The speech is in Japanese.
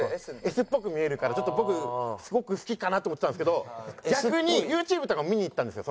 Ｓっぽく見えるからちょっと僕すごく好きかなと思ってたんですけど逆にユーチューブとかも見にいったんですよ。